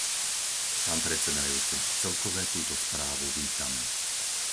Pán predsedajúci, celkove túto správu vítam.